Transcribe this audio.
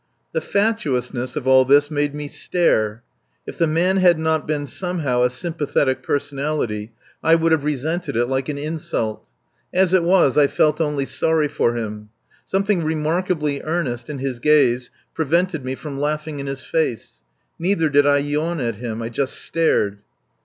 The fatuousness of all this made me stare. If the man had not been somehow a sympathetic personality I would have resented it like an insult. As it was, I felt only sorry for him. Something remarkably earnest in his gaze prevented me from laughing in his face. Neither did I yawn at him. I just stared.